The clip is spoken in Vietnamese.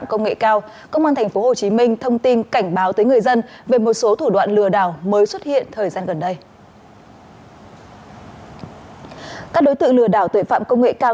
các đối tượng lừa đảo tội phạm công nghệ cao